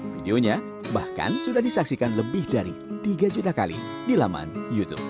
videonya bahkan sudah disaksikan lebih dari tiga juta kali di laman youtube